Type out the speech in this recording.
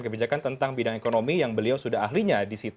kebijakan tentang bidang ekonomi yang beliau sudah ahli